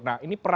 nah ini peran